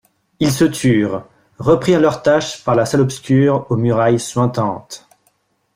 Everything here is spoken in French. Ils se turent, reprirent leur tâche par la salle obscure aux murailles suintantes.